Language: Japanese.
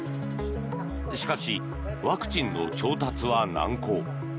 しかし、ワクチンの調達は難航。